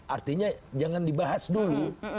artinya jangan dibahas dulu